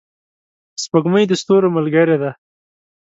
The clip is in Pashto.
سپوږمۍ د ستورو ملګرې ده.